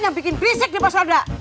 yang bikin risik di paswada